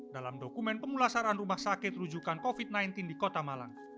dalam dokumen pemulasaran rumah sakit rujukan covid sembilan belas di kota malang